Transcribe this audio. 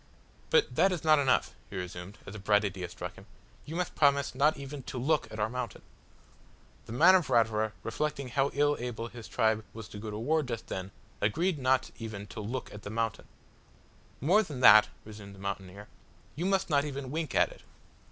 "But that is not enough," he resumed, as a bright idea struck him, "you must promise not even to look at our mountain." The man of Ratura reflecting how ill able his tribe was to go to war just then, agreed not even to look at the mountain! "More than that" resumed the mountaineer, "you must not even wink at it."